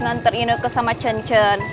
nganterinu ke sama cen cen